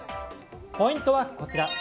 ポイントはこちら。